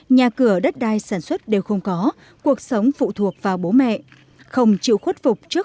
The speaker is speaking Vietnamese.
nhà cửa đất đai sản xuất đều không có cuộc sống phụ thuộc vào bố mẹ không chịu khuất phục trước